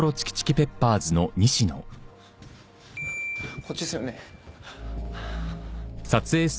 こっちっすよね？